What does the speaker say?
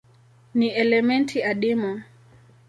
Ni elementi adimu.